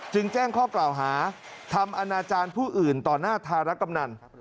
แจ้งข้อกล่าวหาทำอนาจารย์ผู้อื่นต่อหน้าธารกำนัน